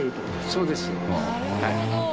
そうです。